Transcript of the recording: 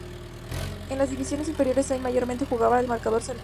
En las divisiones inferiores Sainz mayormente jugaba de marcador central.